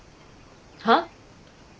はっ？